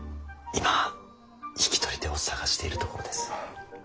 今引き取り手を探しているところです。